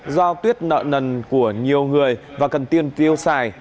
do tuyết nợ nần của nhiều người và cần tiền tiêu xài